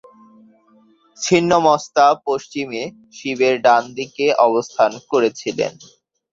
ছিন্নমস্তা পশ্চিমে শিবের ডানদিকে অবস্থান করেছিলেন।